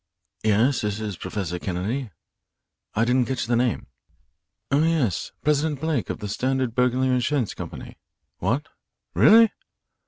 Yes, this is Professor Kennedy. I didn't catch the name oh, yes President Blake of the Standard Burglary Insurance Company. What really?